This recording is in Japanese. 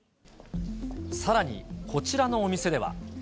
さらにこちらのお店では。